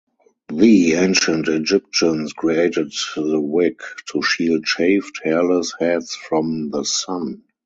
The ancient Egyptians created the wig to shield shaved, hairless heads from the sun.